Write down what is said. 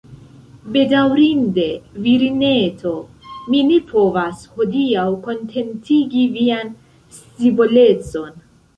Bedaŭrinde, virineto, mi ne povas, hodiaŭ, kontentigi vian scivolecon.